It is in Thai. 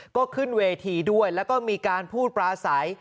ก็ขึ้นเวทีด้วยแล้วก็มีการพูดปลาใส